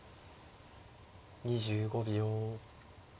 ２５秒。